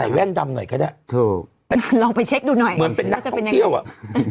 แว่นดำหน่อยก็ได้ถูกลองไปเช็คดูหน่อยเหมือนเป็นนักท่องเที่ยวอ่ะอืม